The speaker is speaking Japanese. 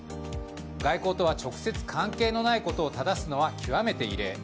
外交とは直接関係のないことをただすのは極めて異例。